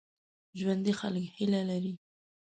ژوندي خلک هیله لري